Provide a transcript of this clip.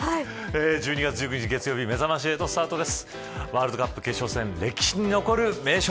１２月１９日月曜日めざまし８スタートです。